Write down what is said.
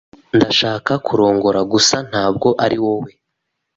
Ndashaka kurongora, gusa ntabwo ari wowe.